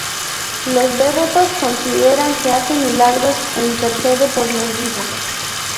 Los devotos consideran que hace milagros e intercede por los vivos.